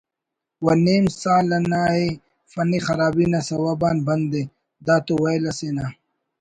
و نیم سال ناءِ فنی خرابی نا سوب آن بندءِ“ دا تو ویل اسے نا